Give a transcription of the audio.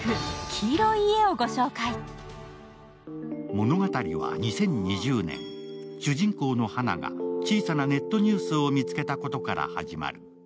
物語は２０２０年、主人公の花が小さなネットニュースを見つけたことから始まる。